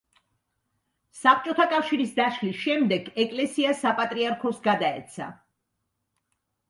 საბჭოთა კავშირის დაშლის შემდეგ ეკლესია საპატრიარქოს გადაეცა.